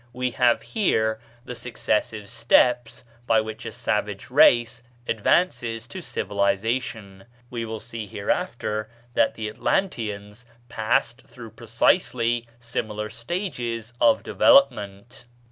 We have here the successive steps by which a savage race advances to civilization. We will see hereafter that the Atlanteans passed through precisely similar stages of development.